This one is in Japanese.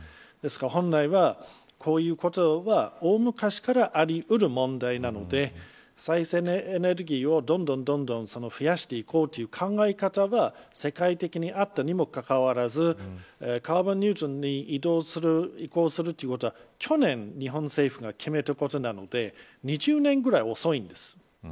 ですから、本来はこういうことが大昔からあり得る問題なので再生エネルギーをどんどん増やしていこうという考え方が世界的にあったにもかかわらずカーボンニュートラルに移行するということは去年、日本政府が決めたことなので２０年ぐらい遅いんです。